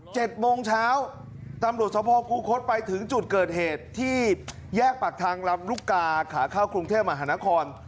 โมงเช้าตำรวจสภคูคศไปถึงจุดเกิดเหตุที่แยกปากทางลำลูกกาขาเข้ากรุงเทพมหานคร